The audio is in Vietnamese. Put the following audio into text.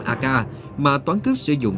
ak mà toán cướp sử dụng